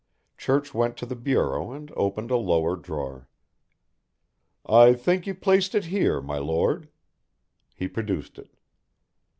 Church went to the bureau and opened a lower drawer. "I think you placed it here, my Lord." He produced it.